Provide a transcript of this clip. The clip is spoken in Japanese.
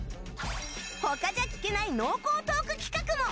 他じゃ聞けない濃厚トーク企画も。